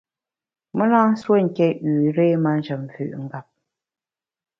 Me na nsuo nké üré manjem mvü’ ngap.